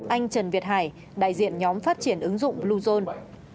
anh trần việt hải đại diện nhóm phát triển ứng dụng bluezone